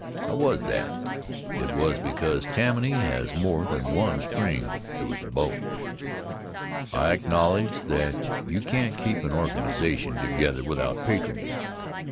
How was that? It was because Tammany has more than one string to its bow. I acknowledge that you can't keep an organization together without patronage.